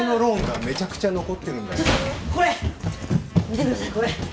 見てくださいこれ。